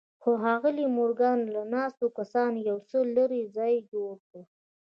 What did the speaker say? خو ښاغلي مورګان له ناستو کسانو یو څه لرې ځای جوړ کړ